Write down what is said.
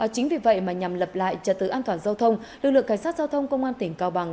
chính vì vậy mà nhằm lập lại trật tự an toàn giao thông lực lượng cảnh sát giao thông công an tỉnh cao bằng